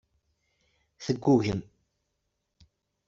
Teggugem.